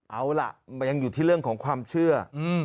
เอาล่ะมันยังอยู่ที่เรื่องของความเชื่อ